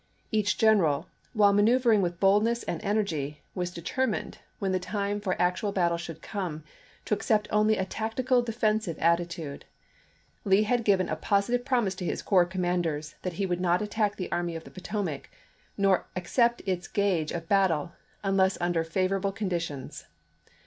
Each general, while manoeuvring with boldness and energy, was determined, when the time for actual battle should come, to accept only a tactical defensive attitude. Lee had given a positive promise to his corps commanders that he would not attack the Army of the Potomac, nor accept its gage of battle unless under favorable on Conduct of the War, 1805. Vol. L, p. 439. 234 ABKAHAM LINCOLN chap. ix. conditions.